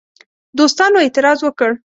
دوستانو اعتراض وکړ.